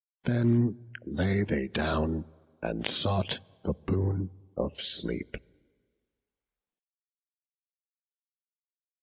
Then lay they down, and sought the boon of sleep.